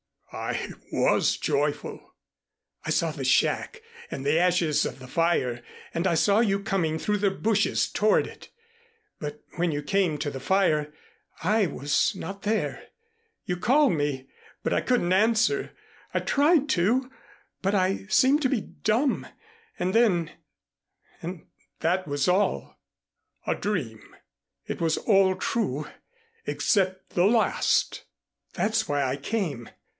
"I was joyful." "I saw the shack and the ashes of the fire and I saw you coming through the bushes toward it. But when you came to the fire I was not there. You called me, but I couldn't answer. I tried to, but I seemed to be dumb and then and that was all." "A dream. It was all true except the last." "That's why I came.